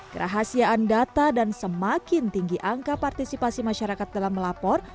kerahasiaan data dan semakin tinggi angka partisipasi masyarakat dalam melapor